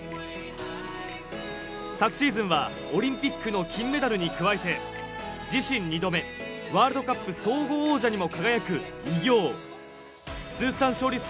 昨シーズンはオリンピックの金メダルに加えて、自身２度目、ワールドカップ総合王者にも輝く偉業。